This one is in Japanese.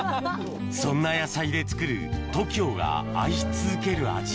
そんな野菜で作るＴＯＫＩＯが愛し続ける味